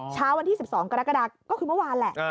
เช้าวันที่๑๒กรกฎาก็คือเมื่อวานแหละ